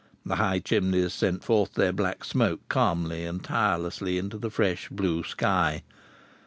The high chimneys sent forth their black smoke calmly and tirelessly into the fresh blue sky.